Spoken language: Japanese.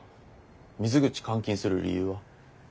水口監禁する理由は？